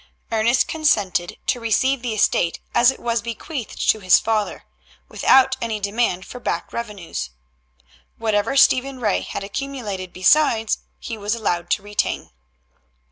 Ernest consented to receive the estate as it was bequeathed to his father, without any demand for back revenues. Whatever Stephen Ray had accumulated besides, he was allowed to retain.